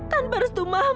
kan baru setuh mama